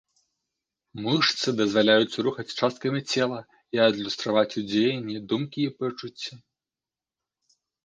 Мышцы дазваляюць рухаць часткамі цела і адлюстраваць у дзеянні думкі і пачуцці.